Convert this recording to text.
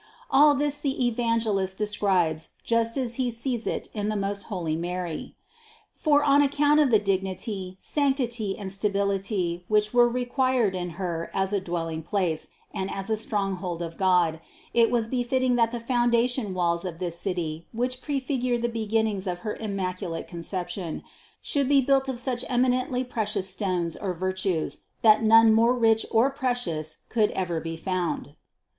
All this the Evan gelist describes just as he sees it in the most holy Mary. For on account of the dignity, sanctity and stability which were required in Her as a dwelling place and as a stronghold of God, it was befitting that the foundation walls of this City, which prefigure the beginnings of her Immaculate Conception, should be built of such emi nently precious stones or virtues that none more rich or precious could ever be found.